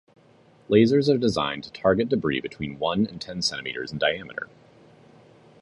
Lasers are designed to target debris between one and ten centimeters in diameter.